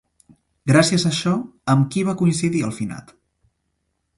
Gràcies a això, amb qui va coincidir el finat?